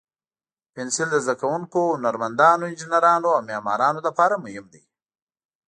پنسل د زده کوونکو، هنرمندانو، انجینرانو، او معمارانو لپاره مهم دی.